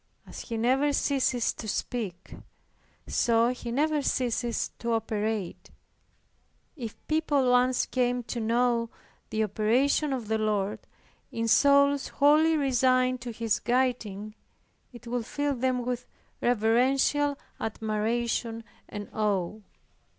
As He never ceases to speak, so He never ceases to operate. If people once came to know the operations of the Lord, in souls wholly resigned to His guiding, it would fill them with reverential admiration and awe.